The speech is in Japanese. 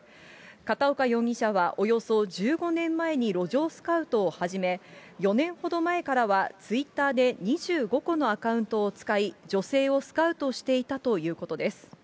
片岡容疑者はおよそ１５年前に路上スカウトを始め、４年ほど前からは、ツイッターで２５個のアカウントを使い、女性をスカウトしていたということです。